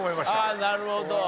ああなるほど。